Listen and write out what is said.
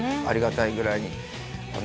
ありがたいぐらいに。